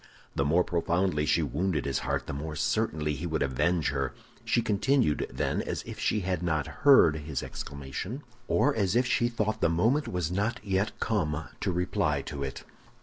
The more profoundly she wounded his heart, the more certainly he would avenge her. She continued, then, as if she had not heard his exclamation, or as if she thought the moment was not yet come to reply to it.